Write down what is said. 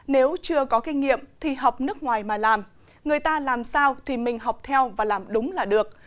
nếu chưa có kinh nghiệm thì học nước ngoài mà làm người ta làm sao thì mình học theo và làm đúng là được